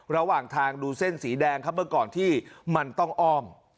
ระหว่างทางดูเส้นสีแดงครับเมื่อก่อนที่มันต้องอ้อม